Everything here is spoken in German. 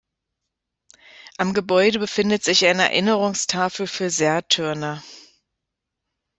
Am Gebäude befindet sich eine Erinnerungstafel für Sertürner.